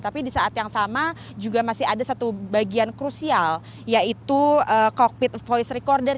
tapi di saat yang sama juga masih ada satu bagian krusial yaitu cockpit voice recorder